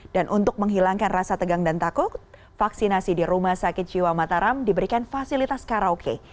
dan untuk menghilangkan rasa tegang dan takut vaksinasi di rumah sakit jiwa mataram diberikan fasilitas karaoke